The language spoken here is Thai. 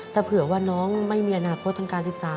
ถ้าเผื่อว่าน้องไม่มีอนาคตทางการศึกษา